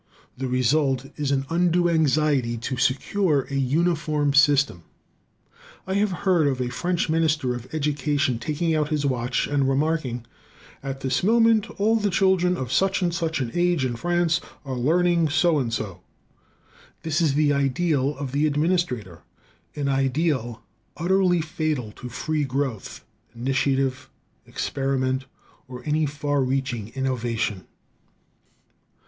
The result is an undue anxiety to secure a uniform system. I have heard of a French minister of education taking out his watch, and remarking, "At this moment all the children of such and such an age in France are learning so and so." This is the ideal of the administrator, an ideal utterly fatal to free growth, initiative, experiment, or any far reaching innovation.